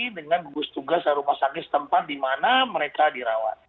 dengan gugus tugas rumah sakit tempat dimana mereka dirawat